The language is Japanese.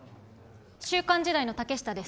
「週刊時代」の竹下です。